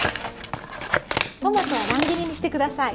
トマトは乱切りにして下さい。